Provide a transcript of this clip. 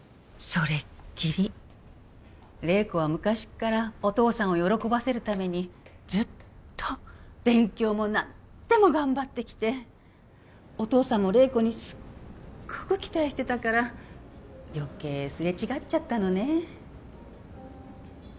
それっきり麗子は昔っからお父さんを喜ばせるためにずっと勉強も何でも頑張ってきてお父さんも麗子にすっごく期待してたから余計すれ違っちゃったのね